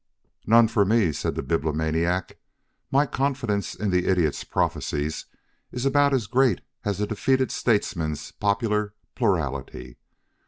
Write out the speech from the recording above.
"None for me," said the Bibliomaniac. "My confidence in the Idiot's prophecies is about as great as a defeated statesman's popular plurality.